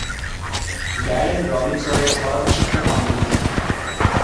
Darren রবিনসনের স্থলাভিষিক্ত হন তিনি।